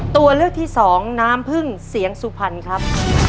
ตัวเลือกที่สองน้ำพึ่งเสียงสุพรรณครับ